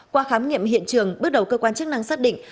qua khám nghiệm hiện trường bước đầu cơ quan chức năng xác định